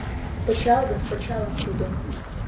— Пычал гын — пычалак тудо...